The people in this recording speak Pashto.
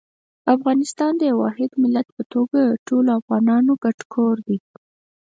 افغانستان د یو واحد ملت په توګه د ټولو افغانانو ګډ کور دی.